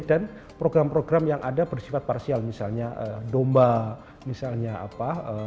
dan program program yang ada bersifat parsial misalnya domba misalnya apa